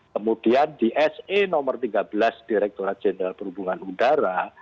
kemudian di se nomor tiga belas direkturat jenderal perhubungan udara